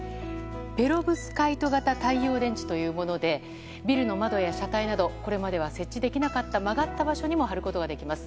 ペロブスカイト型太陽電池というものでビルの窓や車体などこれまでは設置できなかった曲がった場所にも貼ることができます。